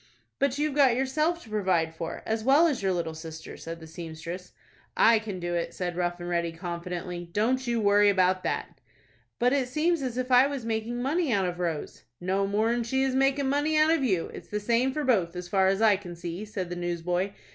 "But you've got yourself to provide for, as well as your little sister," said the seamstress. "I can do it," said Rough and Ready, confidently. "Don't you worry about that." "But it seems as if I was making money out of Rose." "No more'n she is making money out of you. It's the same for both, as far as I can see," said the newsboy.